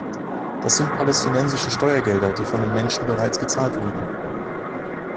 Das sind palästinensische Steuergelder, die von den Menschen bereits gezahlt wurden.